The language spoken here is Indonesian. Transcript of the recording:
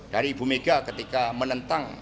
dari ibu mega ketika menentang